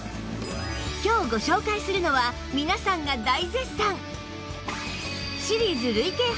今日ご紹介するのは皆さんが大絶賛！